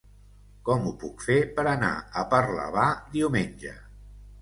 Com ho puc fer per anar a Parlavà diumenge?